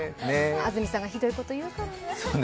安住さんがひどいこと言うからね。